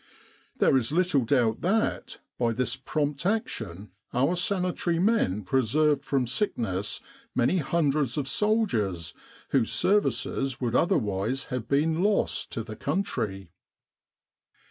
There is little doubt that, by this prompt action, our Sanitary men preserved from sick ness many hundreds of soldiers whose services would otherwise have been lost to the country.